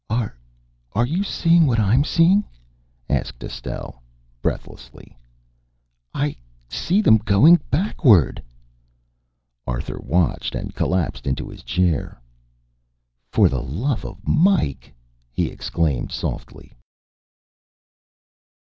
"Are are you seeing what I am seeing?" asked Estelle breathlessly. "I see them going backward!" Arthur watched, and collapsed into a chair. "For the love of Mike!" he exclaimed softly.